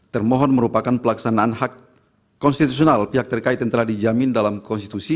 termohon merupakan pelaksanaan hak konstitusional pihak terkait yang telah dijamin dalam konstitusi